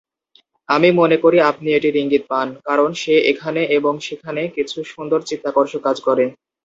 আমি মনে করি আপনি এটির ইঙ্গিত পান, কারণ সে এখানে এবং সেখানে কিছু সুন্দর চিত্তাকর্ষক কাজ করে।